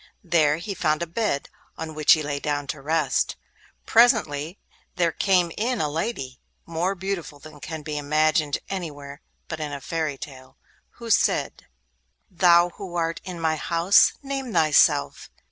There he found a bed, on which he lay down to rest. Presently there came in a lady, more beautiful than can be imagined anywhere but in a fairy tale, who said: 'Thou who art in my house, name thyself!